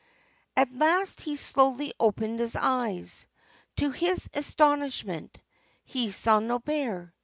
At last he slowly opened his eyes. To his astonishment he saw no bear.